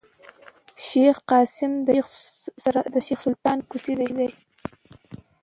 شېخ قاسم د شېخ سلطان کوسی دﺉ.